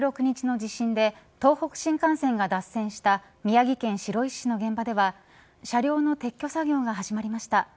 １６日の地震で東北新幹線が脱線した宮城県白石市の現場では車両の撤去作業が始まりました。